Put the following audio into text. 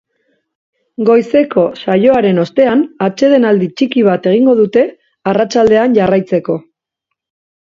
Goizeko saioaren ostean, atsedenaldi txiki bat egingo dute, arratsaldean jarraitzeko.